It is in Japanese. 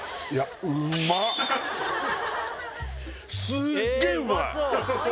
すっげえうまい！